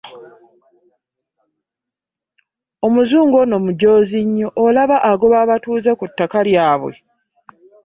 Omuzungu ono mujoozi nnyo olaba agoba abatuuze ku ttaka lyabwe!